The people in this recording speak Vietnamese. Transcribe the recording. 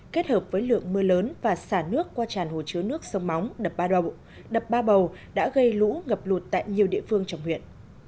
kết hợp với lượng mưa lớn và xả nước qua tràn hồ chứa nước sông móng đập ba rồng đập ba bầu đã gây lũ ngập lụt tại nhiều địa phương trong huyện